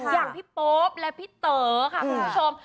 อย่างพี่โป๊ปและพี่เต๋อค่ะคุณผู้ชม